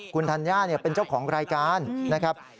คุณธัญญาเป็นเจ้าของรายการนะครับ